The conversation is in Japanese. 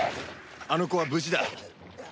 あの子は無事だ。